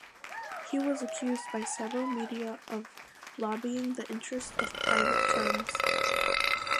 He was accused by several media of lobbying the interests of private firms.